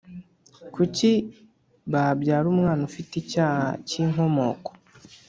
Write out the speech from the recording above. kuki babyara umwana ufite icyaha cy’inkomoko?